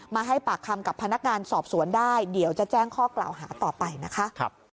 ให้ปากคำกับพนักงานสอบสวนได้เดี๋ยวจะแจ้งข้อกล่าวหาต่อไปนะคะ